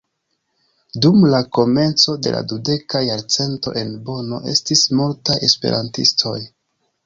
Dum la komenco de la dudeka jarcento en Bono estis multaj esperantistoj.